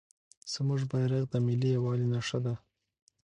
زموږ بیرغ د ملي یووالي نښه ده.